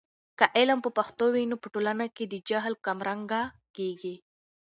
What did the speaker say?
که علم په پښتو وي، نو په ټولنه کې د جهل کمرنګه کیږي.